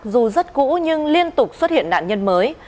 dù rất cũ nhưng liên tục xuất hiện nạn nhân mới